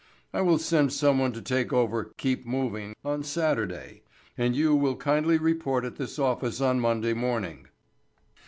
I will send someone to take over 'Keep Moving' on Saturday, and you will kindly report at this office on Monday morning.